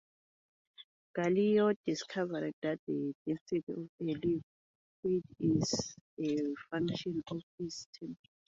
Galileo discovered that the density of a liquid is a function of its temperature.